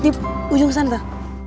di ujung sana tuh